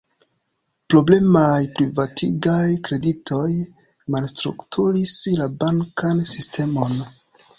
Problemaj privatigaj kreditoj malstrukturis la bankan sistemon.